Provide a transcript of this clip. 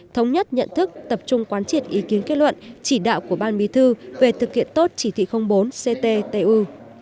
thống nhất nhận thức tập trung quán triệt ý kiến kết luận chỉ đạo của ban bí thư về thực hiện tốt chỉ thị bốn cttu